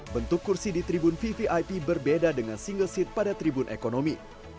bentuk kursi di tribun vvip berbeda dengan single seat pada tribun ekonomi